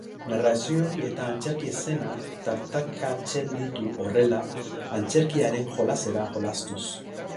Narrazioa eta antzerki eszenak tartekatzen ditu, horrela, antzerkiaren jolasera jolastuz.